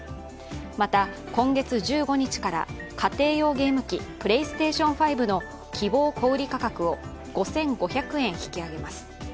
また今月１５日から家庭用ゲーム機、プレイステーション５の希望小売価格を５５００円引き上げます。